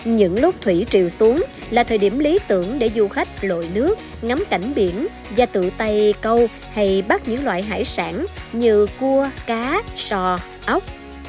những lúc thủy triều xuống là thời điểm lý tưởng để du khách lội nước ngắm cảnh biển và tự tay câu hay bắt những loại hải sản như cua cá sò ốc